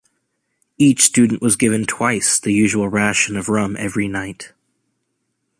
Each student was given twice the usual ration of rum every night.